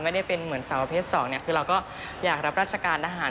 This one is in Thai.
ไม่ได้เป็นเหมือนสาวประเภทสองเนี่ยคือเราก็อยากรับราชการทหาร